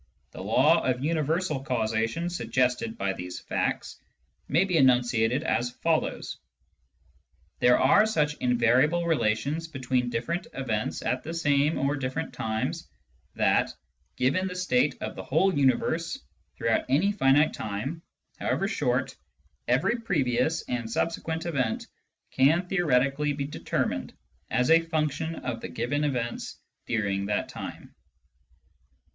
The law of universal causation, suggested by these facts, may be enunciated as follows :" There are such invariable relations between different events at the same or different times that, given the state of the whole universe throughout any finite time, however short, every previous and subsequent event can theoreti cally be determined as a function of the given events during that time."